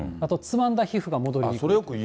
つまんだ皮膚が戻りにくい。